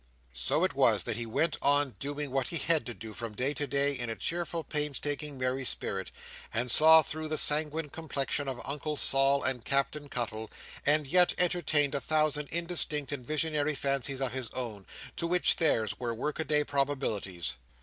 So it was that he went on doing what he had to do from day to day, in a cheerful, pains taking, merry spirit; and saw through the sanguine complexion of Uncle Sol and Captain Cuttle; and yet entertained a thousand indistinct and visionary fancies of his own, to which theirs were work a day probabilities.